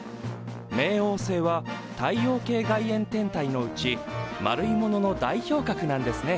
冥王星は太陽系外縁天体のうち丸いものの代表格なんですね。